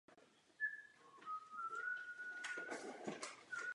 Shromažďuje se zde „čchi“.